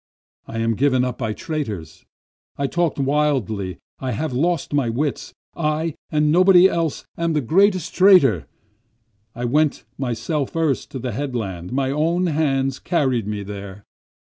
I am given up by traitors, I talk wildly, I have lost my wits, I and nobody else am the greatest traitor, I went myself first to the headland, my own hands carried me there.